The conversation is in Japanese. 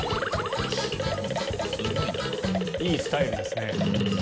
いいスタイルですね。